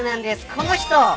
この人。